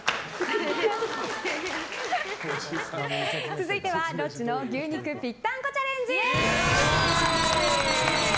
続いては、ロッチの牛肉ぴったんこチャレンジ！